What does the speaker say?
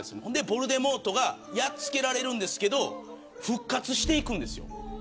ヴォルデモートはやっつけられるんですけど復活していくんです。